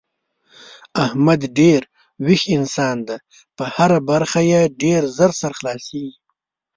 احمد ډېر ویښ انسان دی په هره خبره یې ډېر زر سر خلاصېږي.